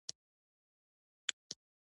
علي تل د خلکو د ستونزو د حل لپاره لاره لټوي.